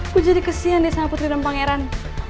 gue jadi kesian deh sama putri dan pangeran